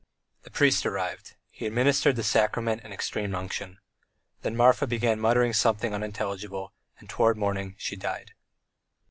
The priest arrived; he administered the sacrament and extreme unction. Then Marfa began muttering something unintelligible, and towards morning she died.